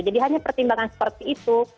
jadi hanya pertimbangan seperti itu